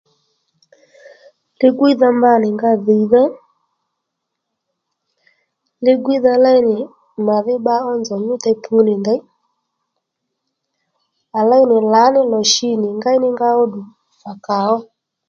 Li-gwíydha mba nì nga dhìydha li-gwíydha léy nì màdhí bba ó nzòw nyútey pu nì ndèy à léy nì lǎní lò shi nì ngéy ní nga óddù mà kàó